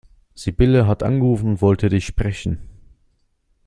Sibylle hat angerufen und wollte dich sprechen.